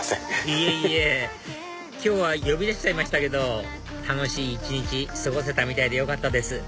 いえいえ今日は呼び出しちゃいましたけど楽しい一日過ごせたみたいでよかったです